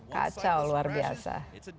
kacau luar biasa